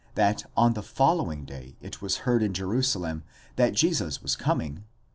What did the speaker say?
that on the following day it was heard in Jerusalem that Jesus was coming (v.